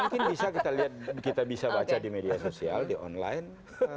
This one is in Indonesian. mungkin bisa kita lihat kita bisa baca di media sosial di online